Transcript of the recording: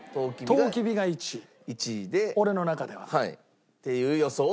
とうきびが１位俺の中では。っていう予想を。